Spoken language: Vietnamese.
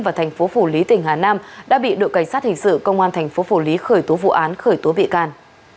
và thành phố phủ lý tỉnh hà nam đã bị đội cảnh sát hình sự công an thành phố phủ lý khởi tố vụ án khởi tố bị can